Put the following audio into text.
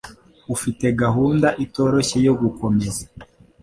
Ufite gahunda itoroshye yo gukomeza.